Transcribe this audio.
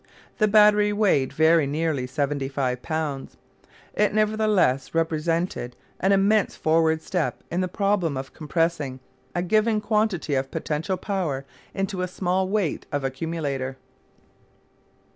This battery weighed very nearly 75 lb. It nevertheless represented an immense forward step in the problem of compressing a given quantity of potential power into a small weight of accumulator.